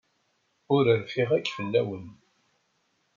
Ur rfiɣ akk fell-awen.